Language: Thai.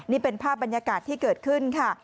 นี่เป็นภาพบรรยากาศที่เกิดขึ้นค่ะ